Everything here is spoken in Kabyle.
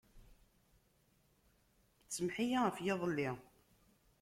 Sameḥ-iyi ɣef yiḍelli.